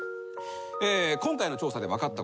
今回の調査で分かったこと。